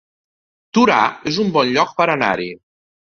Torà es un bon lloc per anar-hi